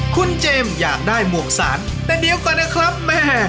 คุณเจมส์อยากได้หมวกสารแต่เดี๋ยวก่อนนะครับแม่